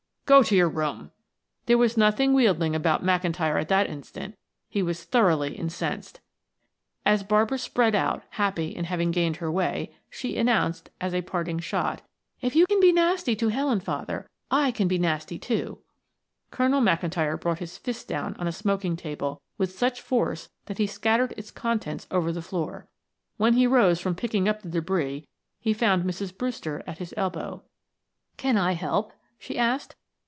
"Go to your room!" There was nothing wheedling about McIntyre at that instant; he was thoroughly incensed. As Barbara sped out happy in having gained her way, she announced, as a parting shot, "If you can be nasty to Helen, father, I can be nasty, too." Colonel McIntyre brought his fist down on a smoking table with such force that he scattered its contents over the floor. When he rose from picking up the debris, he found Mrs. Brewster at his elbow. "Can I help?" she asked.